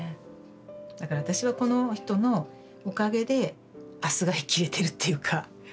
だから私はこの人のおかげで明日が生きれてるっていうか。